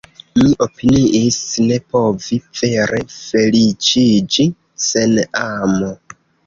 Mi opiniis ne povi vere feliĉiĝi sen amo.